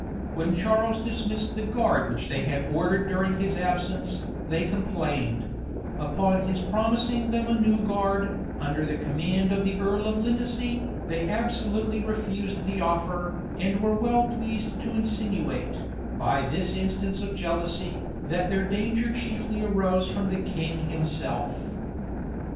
When Charles dismissed the guard which they had ordered during his absence, they complained; and upon his promising them a new guard, under the command of the earl of Lindesey, they absolutely refused the offer, an were well pleased to insinuate, by this instance of jealousy, that their danger chiefly arose from the king himself.